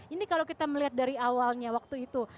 ini kalau kita melihat dari awalnya waktu itu